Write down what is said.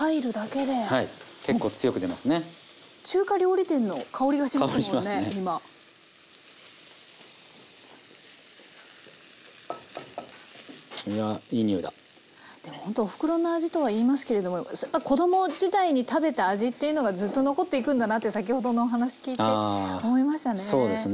でもほんとおふくろの味とはいいますけれども子供時代に食べた味というのがずっと残っていくんだなと先ほどのお話聞いて思いましたね。